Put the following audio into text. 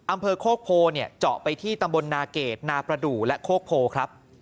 อำเภอโคกโพเนี่ยเจาะไปที่ตำบลนาเกรดนาประดูกและโคกโพครับ